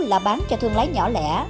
là bán cho thương lái nhỏ lẻ